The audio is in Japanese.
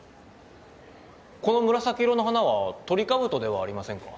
この紫色の花はトリカブトではありませんか？